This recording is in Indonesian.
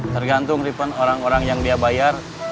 tergantung river orang orang yang dia bayar